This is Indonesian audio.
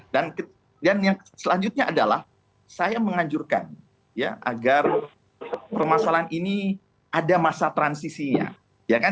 dan yang selanjutnya adalah saya menganjurkan agar permasalahan ini ada masa transisinya